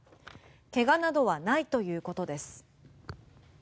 怪我などはないということです。